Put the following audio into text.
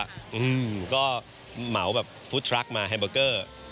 อืมก็เหมาแบบฟุตทรัคมาไฮเบอร์เกอร์